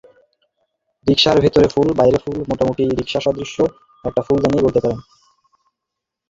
রিকশার ভেতরে ফুল, বাইরে ফুল, মোটামুটি রিকশাসদৃশ একটা ফুলদানিই বলতে পারেন।